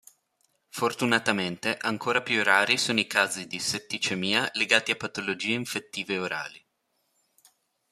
Fortunatamente ancora più rari sono i casi di setticemia legati a patologie infettive orali.